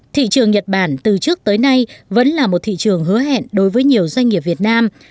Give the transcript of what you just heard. thị trường nhật bản từ trước tới nay vẫn là một thị trường hứa hẹn đối với nhiều doanh nghiệp việt nam